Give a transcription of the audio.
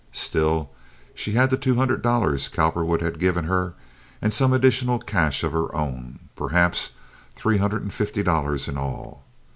She still had the two hundred dollars Cowperwood had given her and some additional cash of her own—perhaps three hundred and fifty dollars in all.